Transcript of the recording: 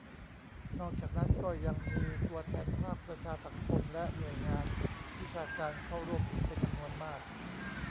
นอกจากนั้นก็ยังมีตัวแทนภาคประชาสังคม และ หน่วยงานวิชาการเข้าร่วมอีกเป็นจำนวนมาก